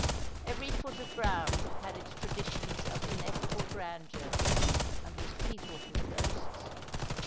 Every foot of ground had its traditions of ineffable grandeur, and was peopled with ghosts.